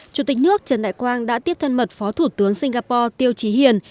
chủ tịch nước trần đại quang đã tiếp thân mật phó thủ tướng singapore tiêu trí hiền